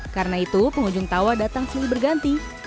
karena itu pengunjung tawa datang selalu berganti